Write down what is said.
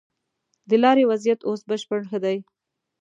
د لارې وضيعت اوس بشپړ ښه دی.